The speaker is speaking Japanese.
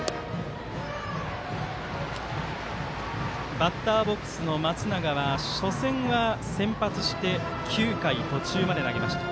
バッターボックスの松永は初戦は先発して９回途中まで投げました。